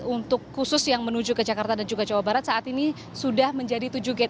untuk khusus yang menuju ke jakarta dan juga jawa barat saat ini sudah menjadi tujuh gate